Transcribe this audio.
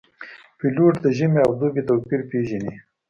پیلوټ د ژمي او دوبي توپیر پېژني.